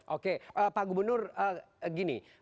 oke pak gubernur gini